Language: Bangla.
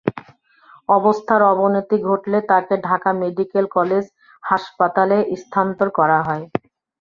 অবস্থার অবনতি ঘটলে তাঁকে ঢাকা মেডিকেল কলেজ হাসপাতালে স্থানান্তর করা হয়।